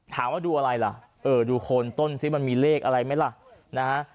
ถามว่าดูอะไรล่ะเออดูโคนต้นสิมันมีเลขอะไรไหมล่ะนะฮะ